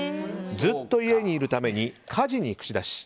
ずっと家にいるために家事に口出し。